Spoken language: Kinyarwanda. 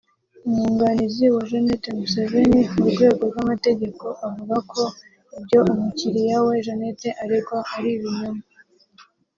umwunganizi wa Janet Museveni mu rwego rw’amategeko avuga ko ibyo umukiriya we Janet aregwa ari ibinyoma